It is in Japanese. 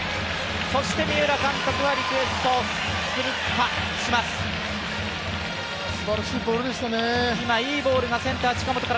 そして三浦監督はリクエストをするか？